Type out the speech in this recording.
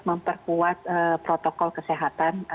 memperkuat protokol kesehatan